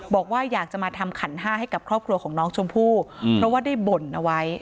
บอกว่าอยากจะมาทำขันห้าให้กับครอบครัวของน้องชมพู่เพราะว่าได้บ่นเอาไว้